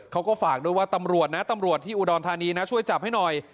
เขาก็ฝากด้วยว่าตำรวจนะตำรวจที่อุดรธานีนะช่วยจับให้หน่อย